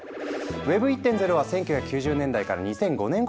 Ｗｅｂ１．０は１９９０年代から２００５年頃までのＷｅｂのこと。